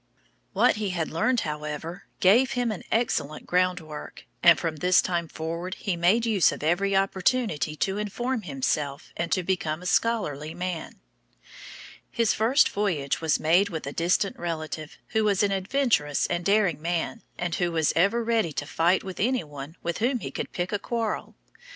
What he had learned, however, gave him an excellent groundwork, and from this time forward he made use of every opportunity to inform himself and to become a scholarly man. His first voyage was made with a distant relative, who was an adventurous and daring man, and who was ever ready to fight with any one with whom he could pick a quarrel.